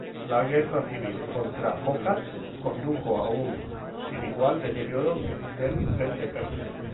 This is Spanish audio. La guerra civil contra Focas condujo a un sin igual deterioro del frente persa.